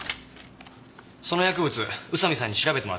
その薬物宇佐見さんに調べてもらってるんですけど。